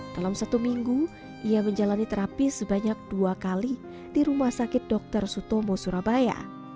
dalam satu minggu ia menjalani terapi sebanyak dua kali di rumah sakit dr sutomo surabaya